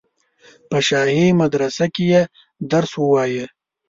په شاهي مدرسه کې یې درس ووایه.